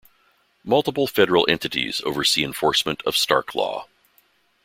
Multiple federal entities oversee enforcement of Stark Law.